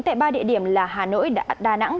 tại ba địa điểm là hà nội đà nẵng